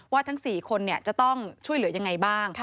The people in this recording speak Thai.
ทั้ง๔คนจะต้องช่วยเหลือยังไงบ้าง